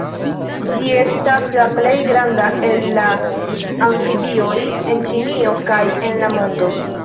Ĝi estas la plej granda el la amfibioj en Ĉinio kaj en la mondo.